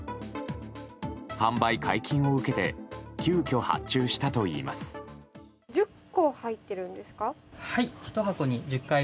販売解禁を受けて急きょ発注したといいます。